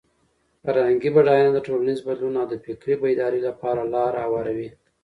فرهنګي بډاینه د ټولنیز بدلون او د فکري بیدارۍ لپاره لاره هواروي.